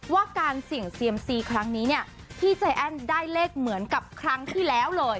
ว่าการเสี่ยงเซียมซีครั้งนี้เนี่ยพี่ใจแอ้นได้เลขเหมือนกับครั้งที่แล้วเลย